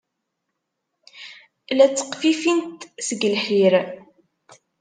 La tteqfifin seg lḥir.